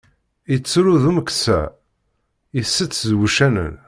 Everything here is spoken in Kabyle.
Ittru d umeksa, itett d wuccanen.